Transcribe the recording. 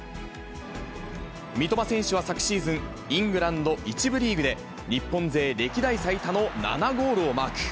三笘選手は昨シーズン、イングランド１部リーグで、日本勢歴代最多の７ゴールをマーク。